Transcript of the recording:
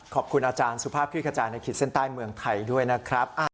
ขอบคุณอาจารย์สุภาพคลิกขจายในขีดเส้นใต้เมืองไทยด้วยนะครับ